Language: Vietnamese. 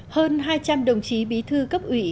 hơn hai trăm linh đồng chí bí thư cấp ủy